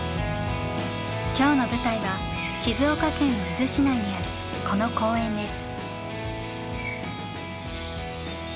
今日の舞台は静岡県の伊豆市内にあるこの公園です。